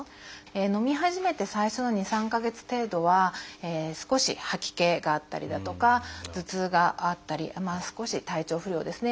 のみ始めて最初の２３か月程度は少し吐き気があったりだとか頭痛があったり少し体調不良ですね。